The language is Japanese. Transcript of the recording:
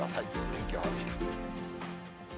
天気予報でした。